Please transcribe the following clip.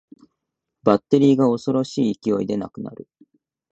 バッテリーが恐ろしい勢いでなくなる